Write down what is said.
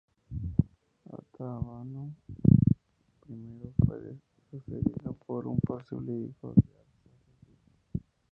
Artabano I fue sucedido por un posible hijo Arsaces X